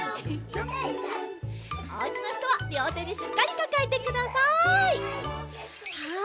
おうちのひとはりょうてでしっかりかかえてください。